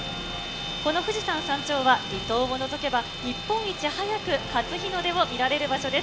この富士山山頂は離島を除けば、日本一早く初日の出を見られる場所です。